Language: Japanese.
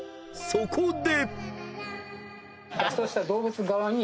［そこで］